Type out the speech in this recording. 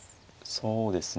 そうですね